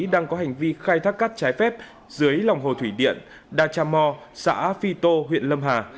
đang có hành vi khai thác cắt trái phép dưới lòng hồ thủy điện đà trà mò xã phi tô huyện lâm hà